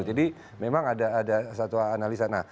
jadi memang ada satu analisa